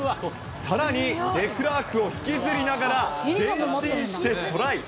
さらに、デクラークを引きずりながら前進してトライ。